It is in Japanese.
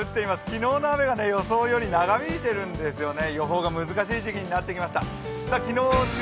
昨日の雨が予想よりも長引いているんですよね。